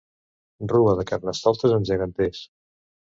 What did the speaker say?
Rua de carnestoltes amb geganters.